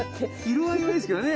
色合いはいいですけどね